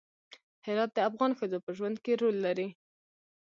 هرات د افغان ښځو په ژوند کې رول لري.